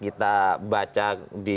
kita baca di